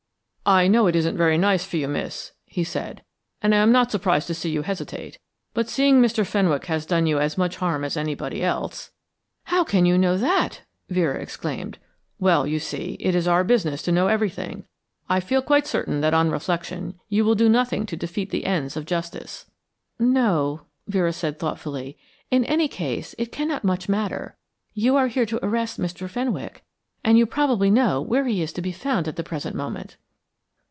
"I know it isn't very nice for you, miss," he said, "and I am not surprised to see you hesitate; but seeing that Mr. Fenwick has done you as much harm as anybody else " "How do you know that?" Vera exclaimed. "Well, you see, it is our business to know everything. I feel quite certain that on reflection you will do nothing to defeat the ends of justice." "No," Vera said, thoughtfully. "In any case, it cannot much matter. You are here to arrest Mr. Fenwick, and you probably know where he is to be found at the present moment."